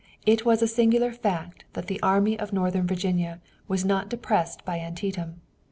It was a singular fact that the Army of Northern Virginia was not depressed by Antietam.